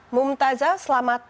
mumtazah selamat pagi